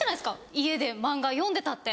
家で漫画読んでたって。